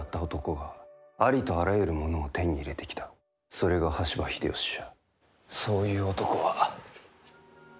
それが羽柴秀吉じゃ。